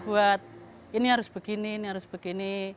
buat ini harus begini ini harus begini